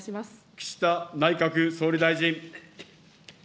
岸田内閣総理大臣。